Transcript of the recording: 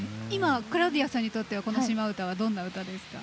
クラウディアさんにとってこの歌はどんな歌ですか？